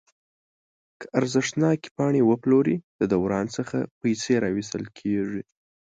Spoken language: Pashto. که ارزښتناکې پاڼې وپلوري د دوران څخه پیسې راویستل کیږي.